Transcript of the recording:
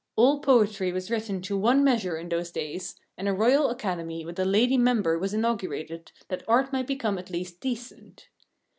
All poetry was written to one measure in those days, and a Royal Academy with a lady member was inaugurated that art might become at least decent.